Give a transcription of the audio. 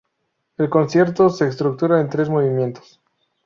El concierto se estructura en tres movimientos.